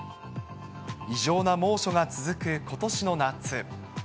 異常な猛暑が続くことしの夏。